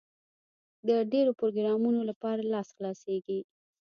د ډېرو پروګرامونو لپاره لاس خلاصېږي.